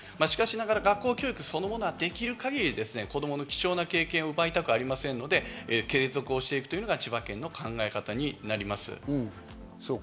しかしながら学校教育そのものができる限り子供の貴重な経験を奪いたくありませんので継続をしていくというのが千葉県の考え方になります。